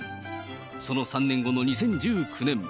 その３年後の２０１９年。